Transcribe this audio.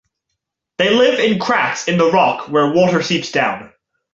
They live in cracks in the rock where water seeps down.